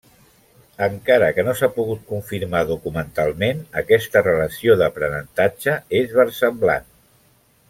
Encara que no s'ha pogut confirmar documentalment, aquesta relació d'aprenentatge és versemblant.